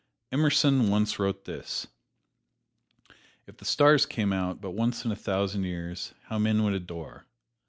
Emerson once wrote this: "If the stars came out but once in a thousand years, how men would adore!"